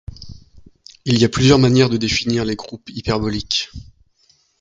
Il y a plusieurs manières de définir les groupes hyperboliques.